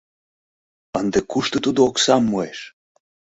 Ынде кушто тудо оксам муэш?